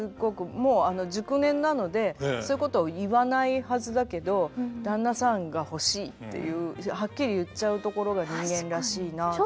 もう熟年なのでそういうこと言わないはずだけど「旦那さんが欲しい」って言うはっきり言っちゃうところが人間らしいなと。